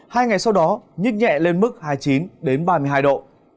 hai ngày sau đó nhích nhẹ lên mức hai mươi chín ba mươi hai độ